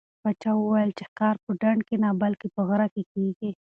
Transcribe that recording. پاچا وویل چې ښکار په ډنډ کې نه بلکې په غره کې کېږي.